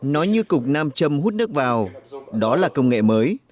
nói như cục nam châm hút nước vào đó là công nghệ mới